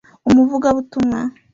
umuvuga butumwa